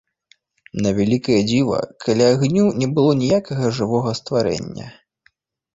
На вялікае дзіва, каля агню не было ніякага жывога стварэння.